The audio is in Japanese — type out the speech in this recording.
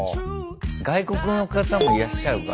外国の方もいらっしゃるからね。